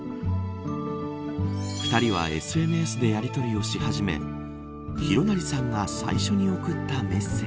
２人はＳＮＳでやりとりをし始め紘成さんが最初に送ったメッセー